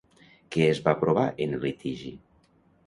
Què es va provar en el litigi?